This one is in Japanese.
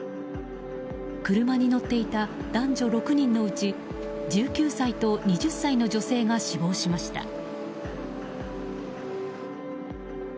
車に乗っていた男女６人のうち１９歳と２０歳の女性が死亡しました。